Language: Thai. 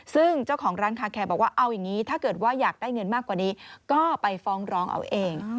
ซึ่งเจ้าของร้านคาแคร์บอกว่าเอาอย่างนี้ถ้าเกิดว่าอยากได้เงินมากกว่านี้ก็ไปฟ้องร้องเอาเอง